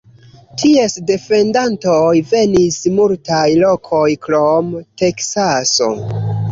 Ties defendantoj venis de multaj lokoj krom Teksaso.